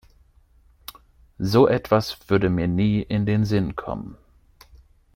So etwas würde mir nie in den Sinn kommen.